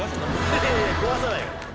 いやいや壊さないよ。